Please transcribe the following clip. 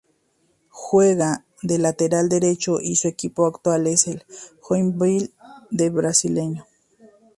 Juega de lateral derecho y su equipo actual es el Joinville del Brasileirão.